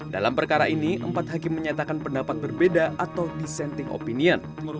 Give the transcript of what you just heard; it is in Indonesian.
dalam perkara ini empat hakim menyatakan pendapat berbeda atau dissenting opinion